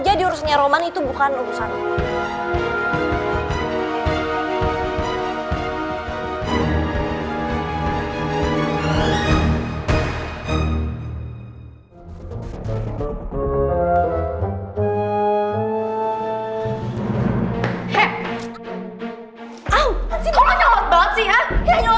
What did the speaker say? jadi urusannya roman itu bukan urusan lo